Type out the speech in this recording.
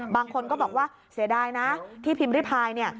บางคนก็บอกว่าเสียดายนะที่พิมพ์ริพายเนี่ย